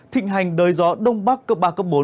thịnh hành đời gió đông bắc cấp ba cấp bốn